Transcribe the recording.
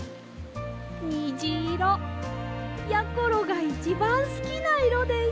にじいろやころがいちばんすきないろです。